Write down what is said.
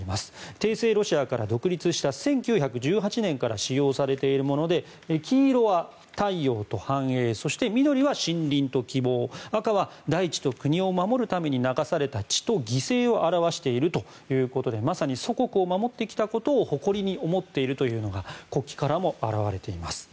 帝政ロシアから独立した１９１８年から使用されているもので黄色は太陽と繁栄そして、緑は森林と希望赤は大地と国を守るために流された血と犠牲を表しているということでまさに祖国を守ってきたことを誇りに思っているということが国旗からも表れています。